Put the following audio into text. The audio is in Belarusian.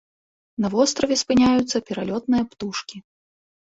На востраве спыняюцца пералётныя птушкі.